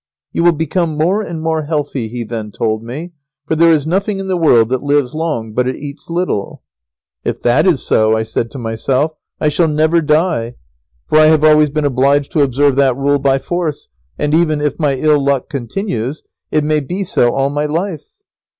"You will become more and more healthy," he then told me, "for there is nothing in the world that lives long but it eats little." "If that is so," I said to myself, "I shall never die, for I have always been obliged to observe that rule by force, and even, if my ill luck continues, it may be so all my life."